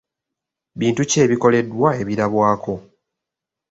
Bintu ki ebikoleddwa ebirabwako?